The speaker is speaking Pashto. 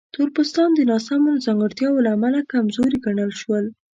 تور پوستان د ناسمو ځانګړتیاوو له امله کمزوري ګڼل شول.